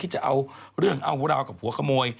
ไปทำเอาเนี่ย